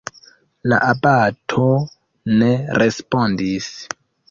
La abato ne respondis.